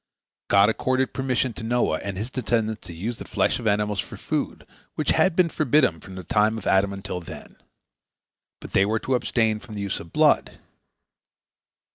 God accorded permission to Noah and his descendants to use the flesh of animals for food, which had been forbidden from the time of Adam until then. But they were to abstain from the use of blood.